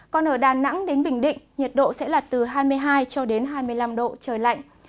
còn ở đà nẵng đến bình định nhiệt độ sẽ là từ hai mươi hai cho đến hai mươi năm độ trời lạnh